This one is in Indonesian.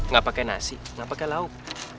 gak pake nasi gak pake lauk